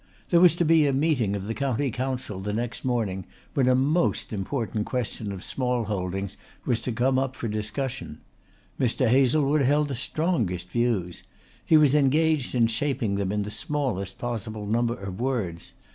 There was to be a meeting of the County Council the next morning when a most important question of small holdings was to come up for discussion. Mr. Hazlewood held the strongest views. He was engaged in shaping them in the smallest possible number of words.